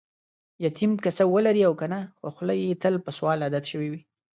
یتیم که څه ولري او کنه، خوخوله یې تل په سوال عادت شوې وي.